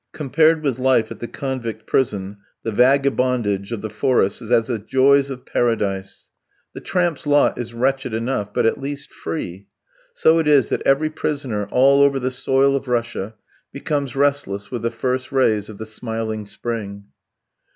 Compared with life at the convict prison, the vagabond age of the forests is as the joys of Paradise. The tramp's lot is wretched enough, but at least free. So it is that every prisoner all over the soil of Russia, becomes restless with the first rays of the smiling spring.